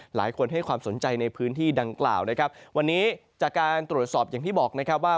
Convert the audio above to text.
หลายคนให้ความสนใจในพื้นที่ดังกล่าวนะครับวันนี้จากการตรวจสอบอย่างที่บอกนะครับว่า